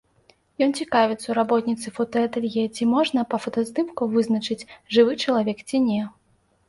Ён цікавіцца ў работніцы фотаатэлье, ці можна па фотаздымку вызначыць, жывы чалавек ці не.